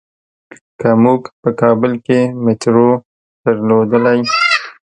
که مونږ په کابل کې مېټرو درلودلای.